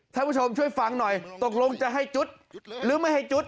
ท่านผู้ชมช่วยฟังหน่อยตกลงจะให้จุดหรือไม่ให้จุด